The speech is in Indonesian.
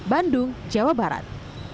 bandung jawa barat